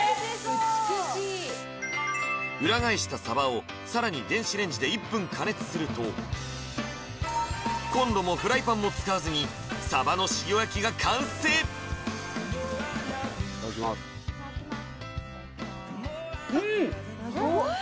美しい裏返したさばをさらに電子レンジで１分加熱するとコンロもフライパンも使わずにさばの塩焼きが完成いただきますうん！